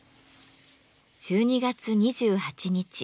１２月２８日。